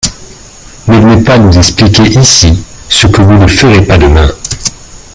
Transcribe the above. Ne venez pas nous expliquer ici ce que vous ne ferez pas demain.